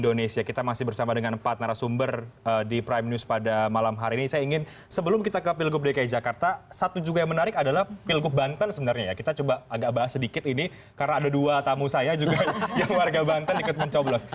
di banten sebenarnya ya kita coba agak bahas sedikit ini karena ada dua tamu saya juga yang warga banten ikut mencoblos